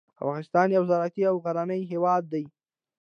افغانستان یو زراعتي او غرنی هیواد دی.